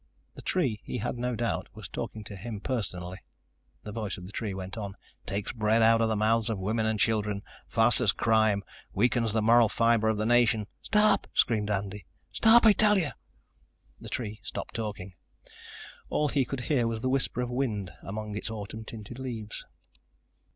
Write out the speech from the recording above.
The tree, he had no doubt, was talking to him personally. The voice of the tree went on: "... takes the bread out of the mouths of women and children. Fosters crime. Weakens the moral fiber of the nation." "Stop!" screamed Andy. "Stop, I tell you!" The tree stopped talking. All he could hear was the whisper of wind among its autumn tinted leaves.